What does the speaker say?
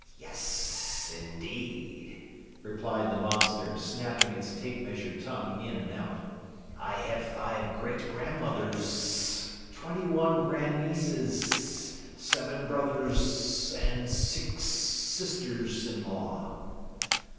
"Yes, indeed," replied the monster, snapping its tape measure tongue in and out, "I have five great grandmothers, twenty one grandnieces, seven brothers, and six sisters in law!"